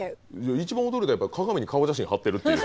一番驚いたのは鏡に顔写真貼ってるっていう。